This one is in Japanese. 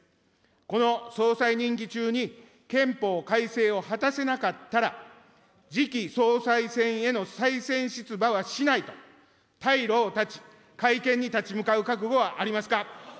この総裁任期中に憲法改正を果たせなかったら、次期総裁選への再選出馬はしないと退路を断ち、改憲に立ち向かう覚悟はありますか。